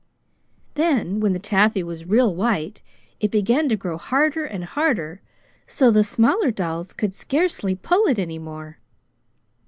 Then, when the taffy was real white, it began to grow harder and harder, so the smaller dolls could scarcely pull it any more.